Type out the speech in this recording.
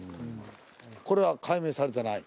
これは解明されてない？